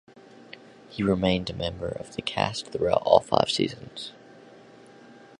He remained a member of the cast throughout all five seasons.